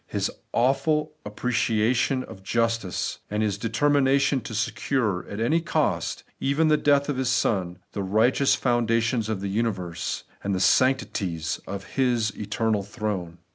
His awful appreciation of justice, and His determination to secure, at any cost, — even the death of His Son, — the righteous foundations of the universe, and the sanctities of His eternal throne.